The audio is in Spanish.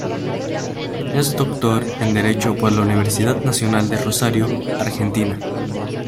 Es Doctor en Derecho por la Universidad Nacional de Rosario, Argentina.